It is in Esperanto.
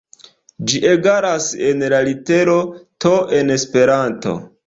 Ĝi egalas al la litero to en Esperanto.